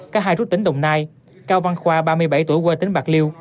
cả hai trú tỉnh đồng nai cao văn khoa ba mươi bảy tuổi quê tỉnh bạc liêu